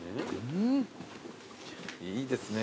いいですね